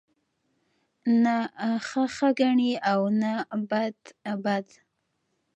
نه ښه ښه گڼي او نه بد بد